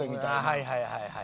はいはいはいはい。